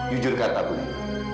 jujur kata budi